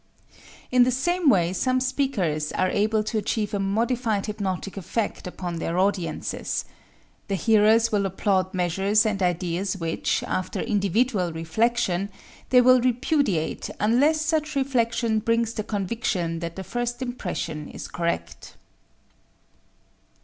In the same way some speakers are able to achieve a modified hypnotic effect upon their audiences. The hearers will applaud measures and ideas which, after individual reflection, they will repudiate unless such reflection brings the conviction that the first impression is correct.